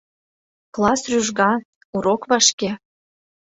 Класс рӱжга — урок вашке.